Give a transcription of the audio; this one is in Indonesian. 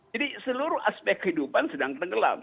jadi seluruh aspek kehidupan sedang tenggelam